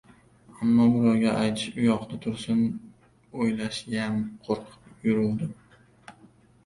Ammo birovga aytish uyoqda tursin, o‘ylashgayam qo‘rqib yuruvdim.